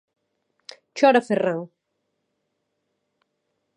Chora Ferran.